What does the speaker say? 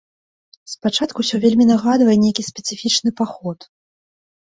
Спачатку ўсё вельмі нагадвае нейкі спецыфічны паход.